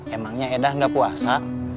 emangnya edah gak puasa